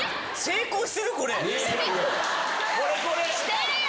してるよ！